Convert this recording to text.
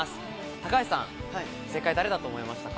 高橋さん、正解、誰だと思いましたか？